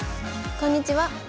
こんにちは。